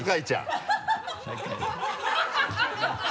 ハハハ